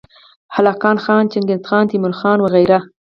هلاکو خان، چنګیزخان، تیمورخان وغیره